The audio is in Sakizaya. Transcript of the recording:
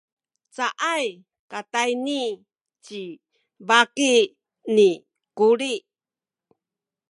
caay katayni ci baki ni Kuli.